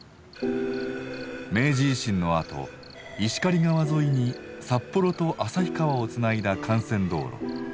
明治維新のあと石狩川沿いに札幌と旭川をつないだ幹線道路。